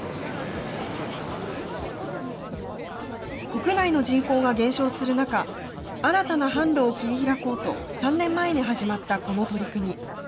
国内の人口が減少する中、新たな販路を切り開こうと、３年前に始まったこの取り組み。